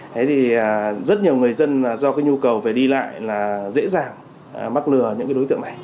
thế thì rất nhiều người dân là do cái nhu cầu về đi lại là dễ dàng mắc lừa những cái đối tượng này